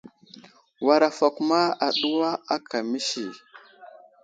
War afakuma aɗuwa aka məsi.